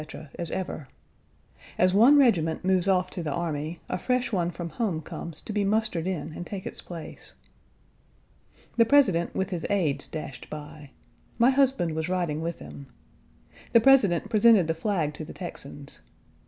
as ever. As one regiment moves off to the army, a fresh one from home comes to be mustered in and take its place. The President, with his aides, dashed by. My husband was riding with him. The President presented the flag to the Texans.